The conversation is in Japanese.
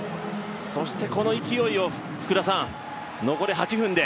そしてこの勢いを福田さん、残り８分で。